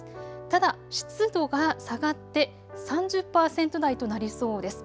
ただ、湿度が下がって３０％台となりそうです。